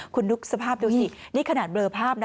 คุณนึกสภาพดูสินี่ขนาดเบลอภาพนะ